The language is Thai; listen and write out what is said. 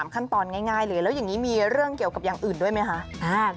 ขั้นตอนง่ายเลยแล้วอย่างนี้มีเรื่องเกี่ยวกับอย่างอื่นด้วยไหมคะ